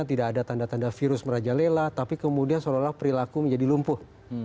tidak ada tanda tanda virus merajalela tapi kemudian seolah olah perilaku menjadi lumpuh